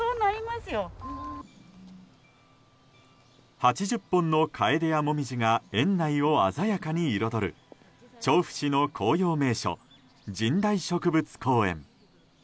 ８０本のカエデやモミジが園内を鮮やかに彩る調布市の紅葉名所神代植物公園。